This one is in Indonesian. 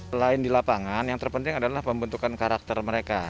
selain di lapangan yang terpenting adalah pembentukan karakter mereka